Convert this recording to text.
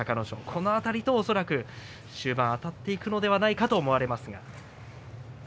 この辺りと恐らく終盤あたっていくのではないかと思われますが。